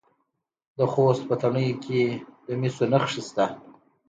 د خوست په تڼیو کې د مسو نښې شته.